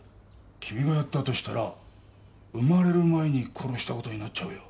君がやったとしたら生まれる前に殺したことになっちゃうよ。